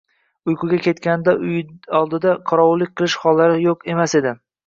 uyquga ketganida uyi oldida qorovullik qilish hollari yo'q emas edi.